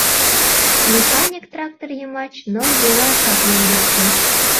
Механик трактор йымач ныл йола чакнен лекте.